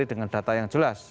jadi dengan data yang jelas